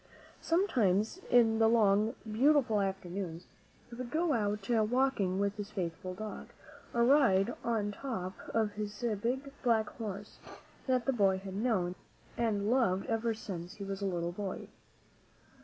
Sometimes, in the long, beautiful afternoons, he would go out walking with his faithful dog, or ride on top of his big black horse, that the boy had known and loved ever since he was a little baby.